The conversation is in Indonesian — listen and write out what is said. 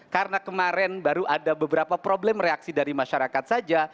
karena kemarin baru ada beberapa problem reaksi dari masyarakat saja